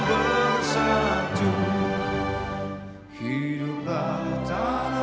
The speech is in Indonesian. pemirsa dan hadirin sekalian